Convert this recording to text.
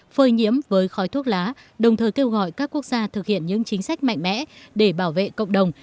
phơi nhiễm với khói thuốc lá đồng thời kêu gọi các quốc gia thực hiện những chính sách mạnh mẽ để bảo vệ cộng đồng